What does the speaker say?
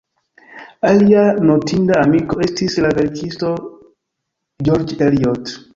Alia notinda amiko estis la verkisto George Eliot.